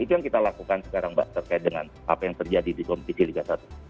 itu yang kita lakukan sekarang mbak terkait dengan apa yang terjadi di kompetisi liga satu